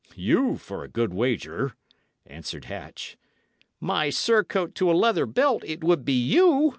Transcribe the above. "You, for a good wager," answered Hatch. "My surcoat to a leather belt, it would be you!"